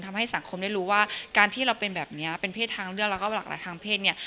ทำให้สังคมได้รู้ว่าการที่เราเป็นแบบนี้เป็นเพศทางเลือกแล้วก็หลากหลายทางเพศเนี่ย